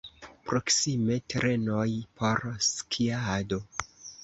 Proksime terenoj por skiado.